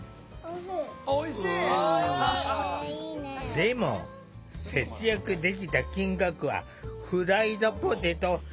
でも、節約できた金額はフライドポテト１人分。